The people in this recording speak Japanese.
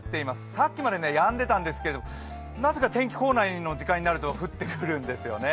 さっきまでやんでいたんですけれども、なぜか天気コーナーの時間になると降ってくるんですよね。